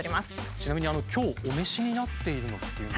ちなみに今日お召しになっているのっていうのは。